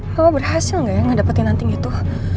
mama berhasil gak ya ngedapetin nanting itu